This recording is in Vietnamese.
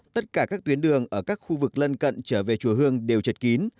tất cả các tuyến đường ở các khu vực lân cận trở về chùa hương đều chật kín